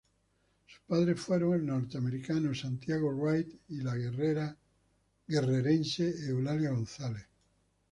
Sus padres fueron el norteamericano Santiago Wright y la guerrerense Eulalia González.